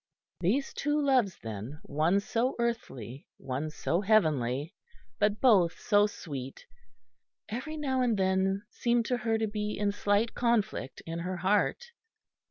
These two loves, then, one so earthly, one so heavenly, but both so sweet, every now and then seemed to her to be in slight conflict in her heart.